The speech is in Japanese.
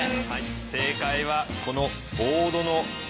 正解はこのボードの側面。